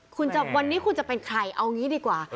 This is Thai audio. คุณจะวันนี้คุณจะเป็นใครเอางี้ดีกว่า